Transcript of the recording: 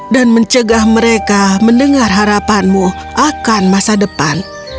dan mencegah mereka mendengar harapanmu akan masa depan